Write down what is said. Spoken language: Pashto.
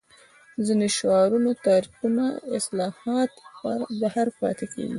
ځینې شعارونه تعریفونه اصطلاحات بهر پاتې کېږي